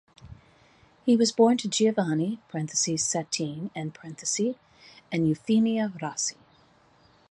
He was born to Giovanni (Santin) and Eufemia Rossi.